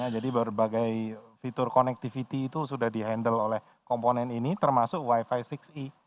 jadi berbagai fitur connectivity itu sudah di handle oleh komponen ini termasuk wi fi enam e